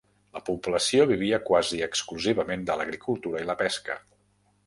La població vivia quasi exclusivament de l'agricultura i la pesca.